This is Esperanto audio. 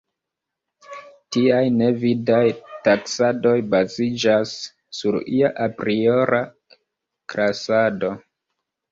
Tiaj ne vidaj taksadoj baziĝas sur ia apriora klasado.